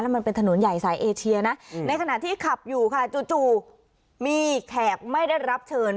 มันเป็นถนนใหญ่สายเอเชียนะในขณะที่ขับอยู่ค่ะจู่มีแขกไม่ได้รับเชิญ